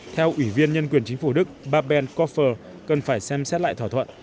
theo ủy viên nhân quyền chính phủ đức baben koffer cần phải xem xét lại thỏa thuận